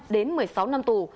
đến một mươi sáu năm tù